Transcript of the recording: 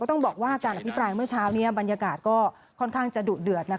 ต้องบอกว่าการอภิปรายเมื่อเช้านี้บรรยากาศก็ค่อนข้างจะดุเดือด